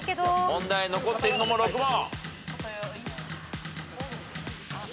問題残っているのも６問。